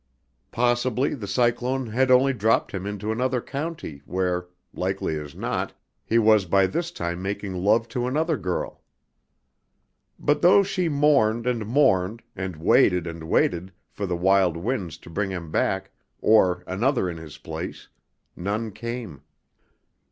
Possibly the cyclone had only dropped him into another county where, likely as not, he was by this time making love to another girl. But though she mourned and mourned and waited and waited for the wild winds to bring him back, or another in his place, none came.